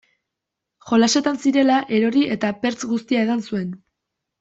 Jolasetan zirela, erori eta pertz guztia edan zuen.